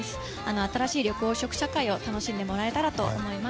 新しい緑黄色社会を楽しんでもらえたらと思います。